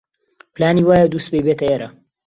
پلانی وایە دووسبەی بێتە ئێرە.